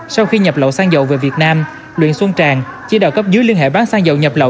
sau khi nhập lậu xăng dầu về việt nam luyện xuân tràng chỉ đào cấp dưới liên hệ bán xăng dầu nhập lậu